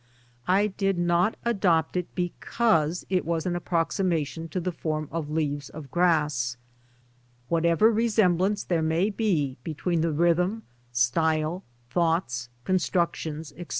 I did not adopt it because it was an approximation to the form of " Leaves of Grass." What ever resemblance there may be between the rhythm, style, thoughts, constructions, etc.